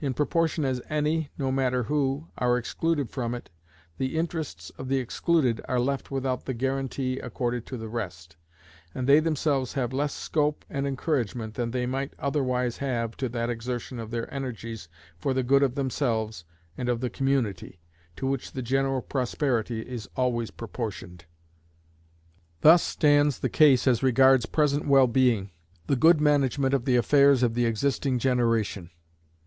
In proportion as any, no matter who, are excluded from it, the interests of the excluded are left without the guaranty accorded to the rest, and they themselves have less scope and encouragement than they might otherwise have to that exertion of their energies for the good of themselves and of the community, to which the general prosperity is always proportioned. Thus stands the case as regards present well being the good management of the affairs of the existing generation.